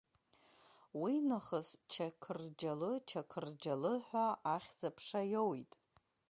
Уи нахыс Чақырџьалы, Чақырџьалы ҳәа ахьӡ-аԥша иоуит.